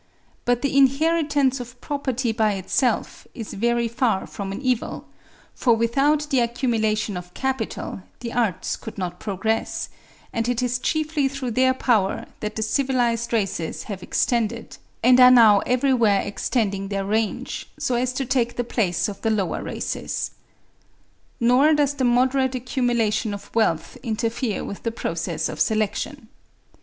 But the inheritance of property by itself is very far from an evil; for without the accumulation of capital the arts could not progress; and it is chiefly through their power that the civilised races have extended, and are now everywhere extending their range, so as to take the place of the lower races. Nor does the moderate accumulation of wealth interfere with the process of selection.